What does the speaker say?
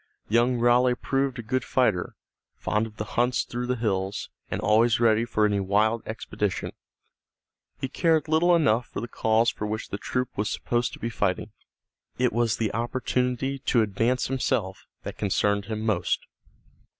Young Raleigh proved a good fighter, fond of the hunts through the hills, and always ready for any wild expedition. He cared little enough for the cause for which the troop was supposed to be fighting. It was the opportunity to advance himself that concerned him most.